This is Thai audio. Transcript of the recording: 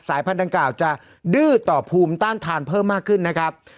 พันธังกล่าวจะดื้อต่อภูมิต้านทานเพิ่มมากขึ้นนะครับ